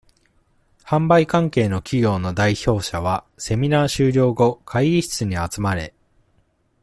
販売関係の企業の代表者は、セミナー終了後、会議室に集まれ。